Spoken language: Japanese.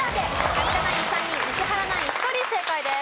有田ナイン３人石原ナイン１人正解です。